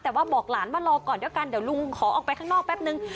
แต่ว่าบอกหลานว่ารอก่อนด้วยกันเดี๋ยวลุงขอออกไปข้างนอกแป๊บนึง